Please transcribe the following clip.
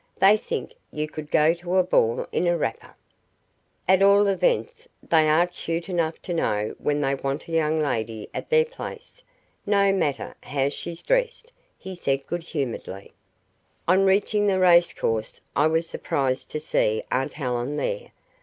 They think you could go to a ball in a wrapper." "At all events, they are cute enough to know when they want a young lady at their place, no matter how she's dressed," he said good humouredly. On reaching the racecourse I was surprised to see aunt Helen there.